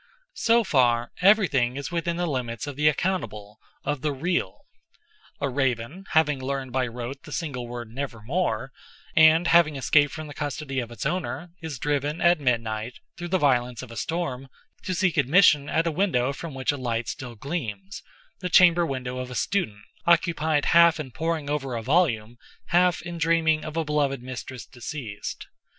So far, everything is within the limits of the accountable—of the real. A raven, having learned by rote the single word "Nevermore," and having escaped from the custody of its owner, is driven at midnight, through the violence of a storm, to seek admission at a window from which a light still gleams—the chamber window of a student, occupied half in poring over a volume, half in dreaming of a beloved mistress deceased.